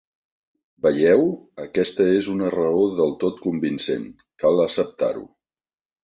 Veieu? Aquesta és una raó del tot convincent: cal acceptar-ho.